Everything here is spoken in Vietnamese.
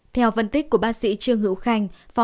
theo phân tích của bác sĩ trương hữu khanh